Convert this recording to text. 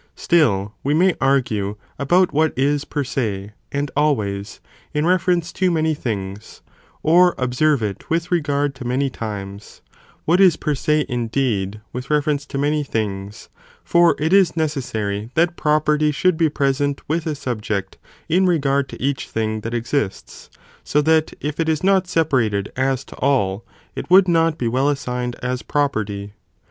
Still we may argue about what is per se and always, in refer ence to many things, or observe it with regard to many times, what is per se indeed, with reference to many things, for it is necessary that property should be present with a subject in regard to each thing that exists, so that if it is not separated as to all, it would not be well assigned as property.